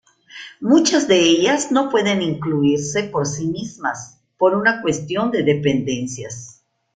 Muchas de ellas no pueden incluirse por sí mismas, por una cuestión de dependencias.